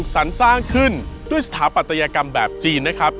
สรรสร้างขึ้นด้วยสถาปัตยกรรมแบบจีนนะครับ